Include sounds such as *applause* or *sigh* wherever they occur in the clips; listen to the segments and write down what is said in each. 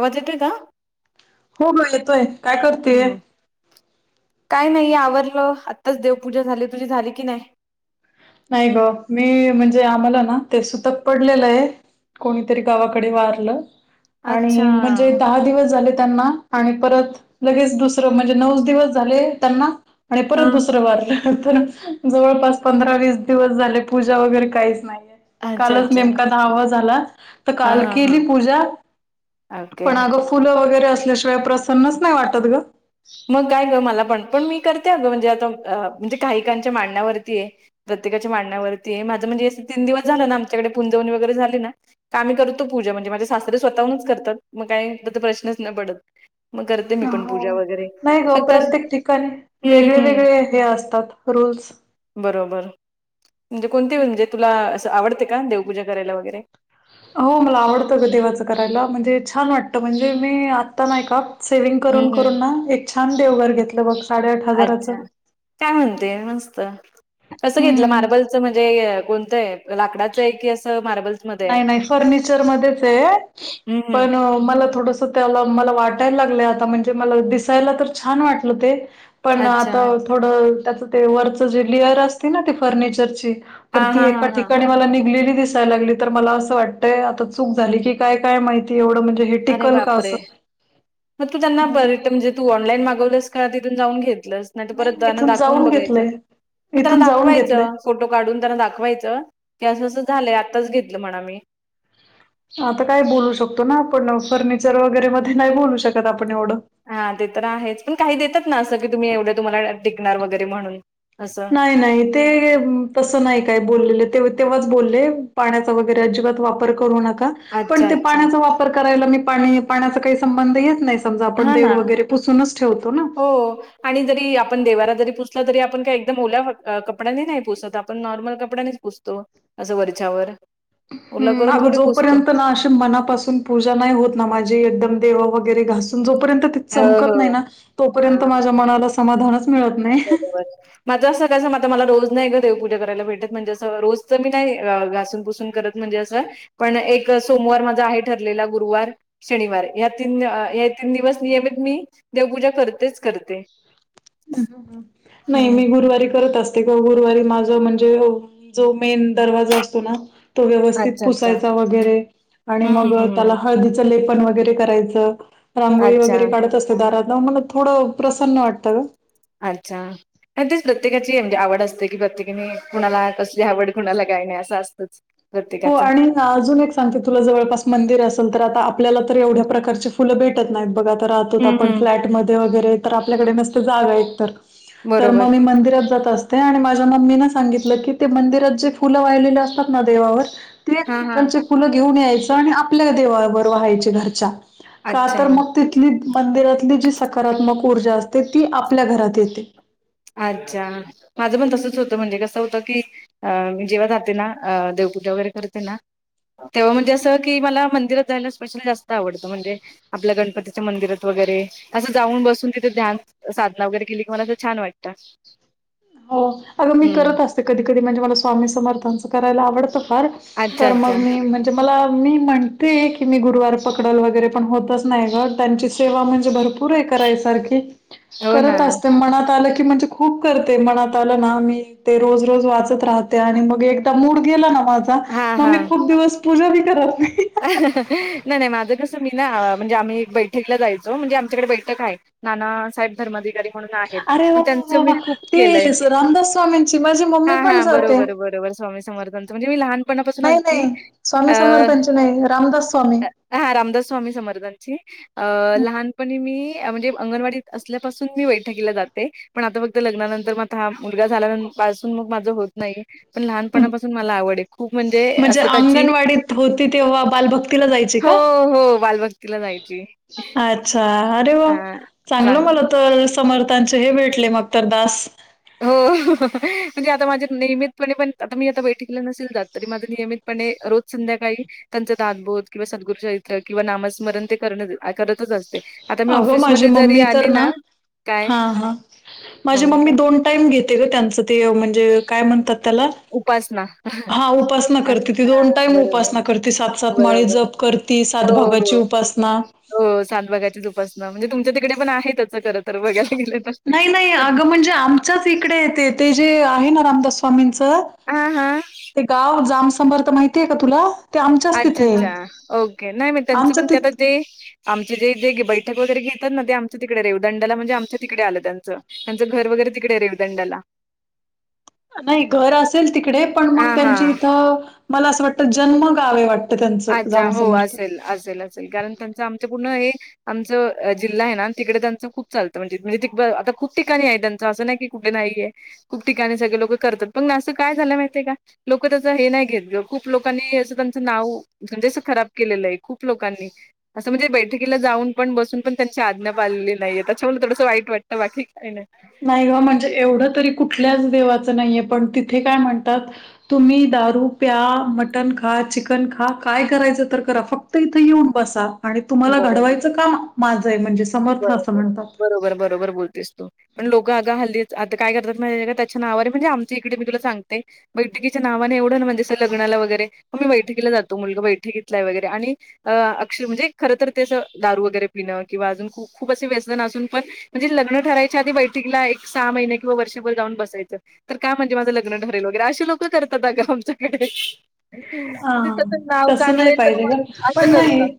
आवाज येत आहे का? हो ग येतोय. काय करतेय? काय नाही आवरलं आत्ताच देवपूजा झाली, तुझी झाली की नाही? नाही ग मी म्हणजे आम्हाला ना, ते सुतप पडलेलं ये. कोणीतरी गावाकडे वारलं अच्छा आणि म्हणजे दहा दिवस झाले त्यांना. आणि परत लगेच दुसरं म्हणजे नऊच दिवस झाले त्यांना आणि हा परत दुसरं वारलं. तर जवळपास पंधरा वीस दिवस झाले पूजा वगैरे काहीच नाहीये. अच्छा कालच अच्छा नेमका दहावा झाला, तर हा काल हा हा केली पूजा ओके पण अग फुलं वगैरे असल्याशिवाय प्रसन्नच नाही वाटत ग. मग काय ग मला पण, पण मी करते अगं म्हणजे आता म्हणजे काहीकांच्या मांनण्यावरती ये. प्रत्येकाच्या मांनण्यावरती ये माझं म्हणजे अस तीन दिवस झालं ना आमच्याकडे पुुंजवणी वगैरे झाली ना आमी करतो पूजा म्हणजे माझे सासरे स्वतःहूनच करतात, मग काही तर प्रश्नच नहीं पडत. मग करते मी पण हो पूजा वगैरे. नाही ग फक्त प्रत्येक अशी- ठिकाणी हम्म वेगळे हम्म वेगळे हे असतात रूल्स. बरोबर, म्हणजे कोणते म्हणजे तुला असं आवडते का देवपूजा करायला वगैरे? हो मला आवडतं ग देवाचं करायला म्हणजे छान वाटतं म्हणजे मी आत्ता नाही का सेविंग हं, करून हं. करून ना एक छान देवघर घेतलं बघ. साडेआठ अच्छा हजाराचं काय म्हणते मस्त. कसं घेतलं, हम्म मार्बलचं म्हणजे कोणतंय लाकडाचं ये की अस मार्बल? नाही नाही फर्निचर मध्येच ये हं, हं. पण मला थोडस त्याला मला वाटायला लागलं, आता म्हणजे मला दिसायला तर छान वाटलं ते पण अच्छा. आता थोडं त्याच ते वरचं जे लेअर असते ना ते फर्निचरची तर हां, ती हां, एका हां, हां. ठिकाणी मला निघलेली दिसायला लागली. तर मला असं वाटतय आता चूक झाली की काय काय माहित. एवढं म्हणजे हे अरे टिकल का बापरे! असं? मग तू त्यांना ब रिटर्न म्हणजे तू ऑनलाईन मागवलस का, तिथून जाऊन घेतलस? नाही तर परत मी त्यांना इथून दाखवून जाऊन बघायचं, घेतलंय म त्यांना इथून जाऊन घेतलंय दाखवायचं. फोटो काढून त्यांना दाखवायचं, की असं असं झालंय आत्ताच घेतलं म्हणा मी. आता काय बोलू शकतो ना आपण, फर्निचर वगैरे मध्ये नाही बोलू शकत आपण एवढं. हा ते तर आहेच पण काही देतात ना, असं की तुम्ही एवढं तुम्हाला टिकणार वगैरे म्हणून अस. नाही नाही ते तसं नाही काय बोललेलं, ते तेव्हाच बोलले पाण्याचा वगैरे अजिबात वापर पर करू नका, पण अच्छा, ते अच्छा. पाण्याचा वापर करायला मी पाणी पाण्याच काही संबंध येत नाहीस. समजा आपण हां ना. देव वगैरे पुसूनच ठेवतो ना. हो आणि जरी आपण देवारा जरी पुसला, तरी आपण काय एकदम ओल्या कपड्यांनी नाही पुसत, आपण नॉर्मल कपड्यांनी पुसतो, असं वरच्यावर. ओला हम. करून अग थोडी पुसतो. जोपर्यंत ना अशी मनापासून पूजा नाही होत ना माझी, एकदम देव वगैरे घासून जोपर्यंत ते हो चमकत हो नाही ना हां तोपर्यंत हां माझ्या मनाला समाधानच मिळत नाही. बर. माझ असं कसं म आता मला रोज नाही ग देवपूजा करायला भेटत, म्हणजे असं रोज तर मी नाही घासून पुुसून करत. म्हणजे अस पण एक सोमवार माझा आहे ठरलेला, गुरुवार शनिवार, या तीन या तीन दिवस नियमित मी देवपूजा करतेच करते. हं नाही हं. मी गुरुवारी करत असत. ते गुरुवारी माझ म्हणजे जो मेन दरवाजा असतो ना तो व्यवस्थित अच्छा अच्छा. पुसायचा वगैरे आणि हं हं मग हं. त्याला हं. हळदी च लेपण वगैरे करायचं, रांगोळी अच्छा. वगैरे काडत असते दारात, मला थोडं प्रसन्न वाटतं ग. अच्छा. आणि तेच प्रत्येकाची म्हणजे आवड असते की प्रत्येकाने कुणाला कसली आवड कुणाला गाणे असं असतं हो आणि अजून एक सांगते तुला जवळपास मंदिर असेल तर आता आपल्याला तर एवढ्या प्रकारचे फुलं भेटत नाहीत बघा तर राहतो हम्म आपण हम्म फ्लॅटमध्ये वगैरे तर आपल्याकडे नसते जागा एक तर तर बरोबर मग मी मंदिरात जात असत ते आणि माझ्या मम्मी ना सांगितलं की ते मंदिरात जे फुलं वाहिलेले असतात ना देवावर तेच हा हा तिथलचे फुलं घेऊन यायचं आणि आपल्या देवावरर वहायचे घरच्या का अच्छा तर मग ती मंदिरातली जी सकारात्मक ऊर्जा असते ती आपल्या घरात येते अच्छा माझं पण तसच होतं म्हणजे कसं होतं की अ जेव्हा जाते ना देवपुजा वगैरे करते ना, तेव्हा म्हणजे असं की मला मंदिरात जायला स्पेशल जास्त आवडतं म्हणजे आपल्या गणपतीच्या मंदिरात वगैरे असं जाऊन बसून तिथे ध्यान साधना वगैरे केली की मला अस छान वाटतं हो अगं मी हम्म करत असते कधी कधी म्हणजे मला स्वामी समर्थांचं करायला आवडतं फार अच्छा तर अच्छा मग मी म्हणज की मला मी म्हणते की मी गुरुवार पकडलं वगैरे पण होतच नाही ग त्यांची सेवा म्हणजे भरपूर भरपूर आहे करायसारखी हो ना करत असते मनात आलं की खूप कर ते मनात आलं ना मी ते रोज रोज वाचत राहते आणि मग एकदा मूड गेला ना माझं हा मग हा मी खूप दिवस पूजा बी करत नाही नाही नाही माझं कसं मी ना म्हणजे आम्ही एक बै ठेकला जायचं म्हणजे आमच्याकडे बैठक आहे नाना साहेब धर्माधिकारी अरे *unintelligible* वा त्यांचे वा मी वा खूप ते केलय रामदास स्वामींची माझी मम्मी पण जाते बरोबर बरोबर स्वामी समर्थ समर्थांच म्हणजे मी लहानपणापासून नाही अगदी नाही स्वामी अ समर्थांची नाही रामदास स्वामी हा रामदास स्वामी समर्थांची अ लहानपणी मी म्हणजे अंगणवाडीत असल्यापासून मी बैठकीला जाते पण आता फक्त लग्नानंतर मग हा मुलगा झाल्या पासून मग माझं होत नाही. पण लहानपणापासून मला आवड खूप म्हणजे असं त्याची होती तेव्हा बालभक्तीला जायचे हो, का हो बालभक्तीला जायची. अच्छा! अरे वा! हां. चांगलं चांग बोलतोय समर्थ त्यांचे हे भेटले मग तर दास हो म्हणजे आता माझ्या नियमितपणे पण आता मी आता बैठकला नसेल जात तरी माझं नियमित पण हे रोज संध्याकाळी, त्यांचं दासबोध किंवा सदगुरु चरीत्र किंवा नामस्मरण ते करणं करत असते. आता मी अगं माझी ऑफिसमध्ये जरी मम्मी तर आली ना, काय हां, हां. माझी मम्मी दोन टाईम घेते ग त्यांचं ते म्हणजे काय म्हणतात त्याला उपासना हा उपासना अ, करते ती हां दोन टाईम बरोबर, उपासना करते सात, सात माळी बरोबर. जप करते. ती सात हो, हो. भागाची उपासना हो सांत भागातली उपासना म्हणजे तुमच्या तिकडे पण आहेतच खर तर बघायला गेलं तर ते आमच्याच इकडे येत ते जे आहे ना रामदास स्वामींचं हम हा ते गाव जामसंभरथ माहितीय का तुला? ते आमच्याच अच्छा! तिथे. अच्छा! ओके नाही म त्यांचं आमच्या पण ते तिथ आता जे आमचे जे जे बैठक वगैरे घेतात ना ते आमच्या तिकडे रेू दंडाला म्हणजे आमच्या तिकडे आलं त्यांचं त्यांचं घर वगैरे तिकडे आहे रेवदंडाला नाही घर असेल तिकडे पण मग हा हा त्यांची इथं मला असं वाटतं जन्मगाव वाटत. अच्छा हो असेल असेल असेल कारण त्यांचं आमच पूर्ण हे आमचं जिल्हा आहे ना तिकडे त्यांचं खूप चालतं म्हणजे म्हणजे आता खूप ठिकाणी आहे त्यांचं असं नाही की कुठे नाहीये खूप ठिकाणी सगळे लोक करतात पण असं काय झालं माहितय का? लोक त्याचं हे नाही घेत ग खूप लोकांनी असं त्यांचं नाव म्हणजेसं खराब केलेलं आहे खूप लोकांनी असं म्हणजे बैठकीला जाऊन पण बसून पण त्यांची आज्ञा पा आलेली नाहीये त्याच्यामुळेला थोडंसं वाईट वाटतं वाटे काही नाही नाही ग. म्हणजे एवढं तरी कुठल्याच देवाचं नाहीये. पण तिथे काय म्हणतात. तुम्ही दारू प्या. मटण खा. चिकन खा. काय करायचं तर करा. फक्त इथे येऊन बसा. आणि तुम्हाला बरोबर. घडवायचं काम माझंय. म्हणजे समर्थ असं बरोबर. म्हणतात. बरोबर. बरोबर बोलतेस तू. पण लोकं अग हल्ली आता काय करतात. त्याच्या नावाववर. म्हणजे आमच इकडे मी तुला सांगते. बैठकीच्या नावाने. एवढं ना म्हणजे. लग्नाला वगैरे आम्ही बैठकीला जातो. मुलगा बैठकीतला आहे. वगैरे आणि अ अक्षर म्हणजे खर तर ते अस. दारू वगैरे पिणं. किंवा अजून ख खूप असे व्यसन असून पण. म्हणजे लग्न ठरायच्या आधी. बैठकीला एक सहा महिने. किंवा वर्षभर जाऊन बसायचं. तर का? म्हणजे माझं लग्न ठरेल वगैरे. असे लोकं करतात. अ ग आमच्याकडे. हा तस नाव तसं नाही चांगलंय तर. पाहिजे ग म्हणून पण असं नाही करतात.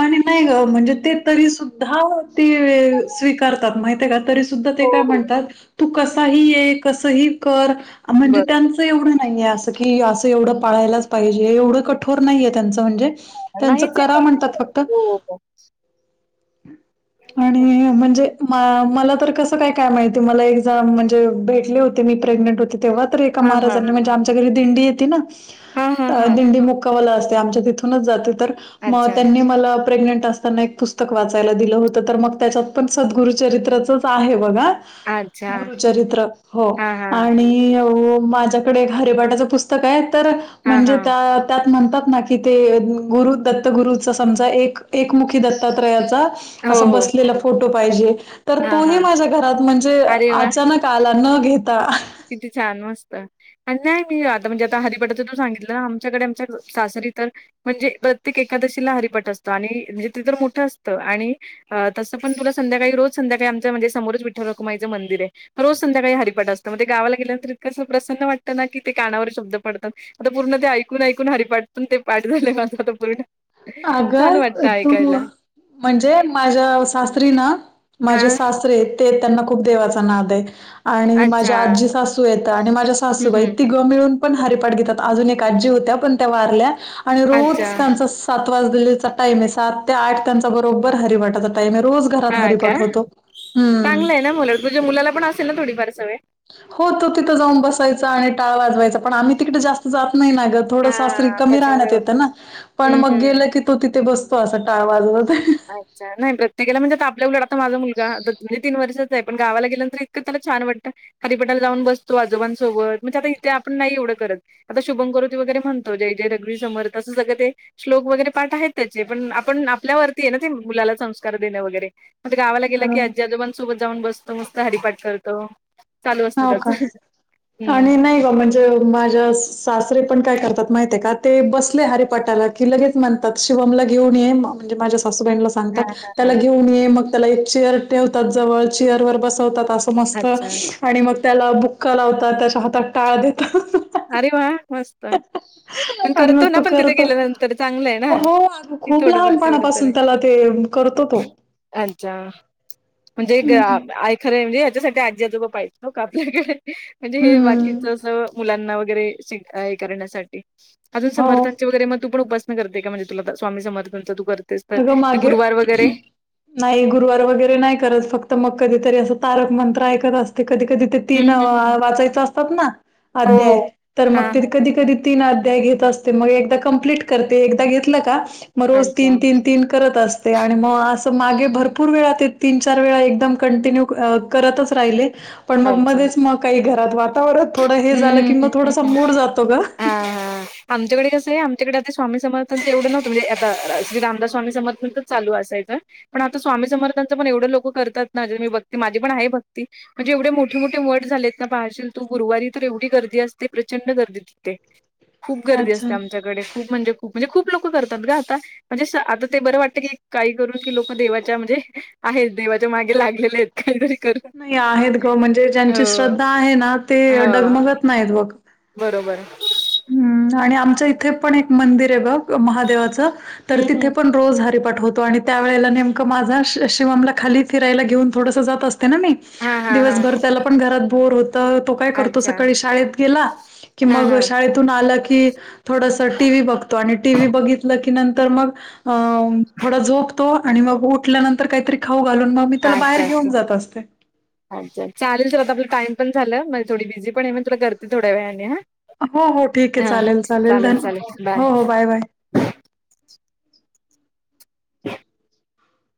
नाही ग. म्हणजे ते तरी सुद्धा. ते स्वीकारतात माहिते का? तरी सुद्धा ते ते हो म्हणतात. तू कसही ये. कसही कर. म्हणजे बर त्यांचं एवढं नाहीे असं की. असं एवढं. पाळायलाच पाहिजे. एवढं कठोर नाहीये. त्यांचं म्हणजे. त्यांचं नाहीच आहे करा का? म्हणतात फक्त. हो हो. आणि म्हणजे मला तर कसं काय? काय माहिती? मला एक जण म्हणजे भेटले होते. मी प्रेग्नेंट होते तेव्हा. एका हा हा महाराजांनी म्हणजे आमच्या घरी दिंडी येते ना. हा हा हा दिंडी मुक्कावाला असते. आमच्या तिथूनच जाते. तर म अच्छा त्यांनी मला. प्रेग्नेंट असताना. पुस्तक वाचायला दिलं होतं. तर मग त्याच्यात पण सद्गुरुचरित्राचच आहे बघा. अच्छा गुरुचरित्र. हो हा हा आणि येउ माझ्याकडे हरेपाटाचं पुस्तक आहे. तर हा म्हणजे हा त्यात त्यात म्हणतात ना. की ते गुरु दत्तगुरूचा. समजा एक. एकमुखी दत्तात्रयाचा. हो असा हो बसलेला फोटो पाहिजे. तर हा तो ही हा माझ्या घरात. म्हणजे अचानक आला. न घेता. कीती छान. मस्त. आणि नाही मी आता. म्हणजे आता हरिपाटाच तू सांगितलं. आमच्याकडे. आमच्या सासरी तर म्हणजे प्रत्येक एकादशीला हरिपाठ असतो. आणि म्हणजे ति तर मोठं असतं. आणि अ तसं पण. तुला संध्याकाळी. संध्याकाळी आमच. म्हणजे समोरच विठला रुकुमायची मंदिरे. रोज संध्याकाळी हरिपाट असतो म ते गावाला गेल्यानंतर इतकं प्रसन् वाटतं ना. की ते कानावर शब्द पडतात. आता पूर्ण ते ऐकून ऐकून. हरिपाठ पण ते पाठ झाले माझ आता पूर्ण. अग छान वाटतं तु ऐकायला म्हणजे माझ्या सासरी ना. माझे हा सासरे ते त्यांनाना खूप देवाचा नादे. आणि अच्छा माझ्या आजी सासू येत आणि माझ्या सासूबाई हम्म तीघ मिळून पण हपाठ घेतात. अजून एक आजी होत्या. पण त्या वारल्या. आणि अच्छा रोज त्यांचा सात वाजल्याचा टाईमे. सात ते आठ त्यांचा बरोबर हरिभठाचा टाईमे. रोज घरात हा हारीपठ होतो. हम्म. म्हणजे मुलाला पण असेल ना. थोडीफार सवय. हो तो तिथं जाऊन बसायचा. आणि टाळ वाजवायचा. पण आम्ही तिकडे जास्त जात नाही ना ग. थोड सासरी हां, कमी त्याच्यामुळे राहण्यात होतं. येतं ना. पण हं, मग हं. गेलं की. तो तिथे बसतो. असा टाळ वाजवत. अच्छा. नाही प्रत्येकाला म्हणजे आपल्यालाटा आता माझा मुलगा तर तीन वर्षचाय. पण गावाला गेल्या नंतर. इतकं त्याला छान वाटतं. हरिपाठाला जाऊन बसतो. आजोबसोबत. म्हणजे आता इथे आपण नाही एवढं करत. आता शुभमकरोती वगैरे म्हणतो. जय जय रघुवीर समर्थ असं सगंळ ते. श्लोक वगैरे पाठ आहे त्याचे. पण आपण आपल्यावर तीये ना ते. मुलाला संस्कार देण वगरे. मग गावाला गेला की, बरोबर. आजोबा सोबत जाऊन बसतो. मस्त हरिपाठ करतो. चालू असतं हो का? त्याचं. आणि हं. नाही ग म्हणजे माझ्या सासरी पण काय करतात माहिते का? ते बसले हरेपाटाला की लगेच म्हणतात. शिवमला घेऊन ये. म्हणजे माझ्या सासूबाईला हां, हां, त्याला हां. घेऊन ये मग त्याला एक चेअर ठेव चेअर वर बसवतात मस्त अच्छा. आणि मग त्याला बुक्का लावतात त्याच्या हातात टाळ देतात अरे वा मस्त पण आणि मग करतो ना तो पण तिथे करत गेल्यानंतर चांगलं आहे ना? हो ती खूप थोडंफार तेवढं तर लहानपणापासून आहे त्याला ते करतो तो अच्छा म्हणजे ग हम्म. खरं म्हणजे याच्यासाठी आजी आजोबा पाहिज का आपल्याकडे म्हणजे हे हम्म, बाकीच अस मुलांना वगैरे करण्यासाठी अजून हो. समर्थचे वगैर मग तू पण उपास करते काय म्हणज तुला स्वामी सर्थनच तू करते तर अगं ते मागे गुरुवार वगैरे नाही गुरुवार वगैरे नाही करत फक्त मग कधीतरी अस तारक मंत्र ऐकत असत ते कधी कधी ते तीन हम्म हम्म हम्म. वाचायच असतात ना हो अध्याय हो तर हा मग ते हा कधी कधी तीन अध्याय घेत असते मग एकदा कम्प्लीट करते एकदा घेतलं का मग रोज तीन अच्छा तीन तीन करत असते. आणि मग असं मागे भरपूर वेळा ते. तीन चार वेळा एकदम कंटिन्यू करतच राहिले पण मग अच्छा मध्येच मग काही घरात वातावरण थोडं हे हम्म झालं हम्म कि म हम्म थोडस हम्म मूड जातो ग हां हां. आमच्याकडे कसं आहे आमच्याकडे आता स्वामी समर्थनच एवढं नव्हतं म्हणे आता श्री रामदास स्वामी समर्थनचं चालू असायचं पण आता स्वामी समर्थांचं पण एवढं लोकं करतात नाे मी भक्ती माझी पण आहे भक्ती म्हणजे एवढे मोठे मोठे वट झालेत नाहेील तो गरुवारी तर एवढी गर्दी असते प्रचंड गर्दी दिते खूप गर्दी अच्छा असते आमच्या डे खूप म्हणजे खू म्हणजे खूप लोक करतात ग आता म्हणजे आता ते बरं वाटतं की काही करू की लोक देवाच्या म्हणजे आहेत देवाच्या मागे लागलेले आहेत काहीतरी कर नाही आहेत ग म्हणजे ज्यांची श्रद्धा आहे ना ते हो डगमगत नाहीत बघ बरोबर हम् आणि आमच इथे पण एक मंदिर आहे बघ महादेवाचं तर हं तिथे हं. पण रोज हरिपाठ होतो आणि त्यावेेळेला नेमकं माझा शिवामला खाली फिरायला घेऊन थोडंसं जात असत मी हां हां हां. दिवसभर त्याला पण घरात बोर हो तर तो काय करतो अच्छा. सकाळी शाळेत गेला की हां मग हां. शाळेतून आलं की थोडस टी व्ही बघतो आणि टीव्ही बघितलं की नंतर मग अ थोडा झोपतो आणि मग उठल्यानंतर काहीतरी खाऊ घालून मग त्याला अच्छा बाहेर अच्छा घेऊन जात असते. अच्छा चालेल आपला टाइम पण झाला मग थोडी बिझी पण मग तुला करते थोड्या वेळाने हा हो, हो. ठीक आहे. हा चालेल, चालेल धन चालेल हो, बाय हो. बाय. *unintelligible*